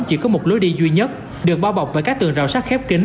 chỉ có một lối đi duy nhất được bao bọc bởi các tường rào sắt khép kính